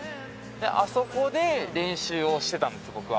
あそこで練習をしてたんです僕は。